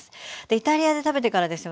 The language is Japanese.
イタリアで食べてからですよ